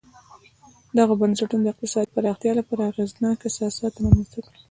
دغو بنسټونو د اقتصادي پراختیا لپاره اغېزناک اساسات رامنځته کړل